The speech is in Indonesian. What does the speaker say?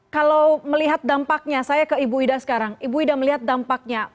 kalau melihat dampaknya saya ke ibu ida sekarang ibu ida melihat dampaknya